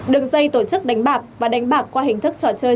đường dây tổ chức đánh bạc và đánh bạc qua hình thức trò chơi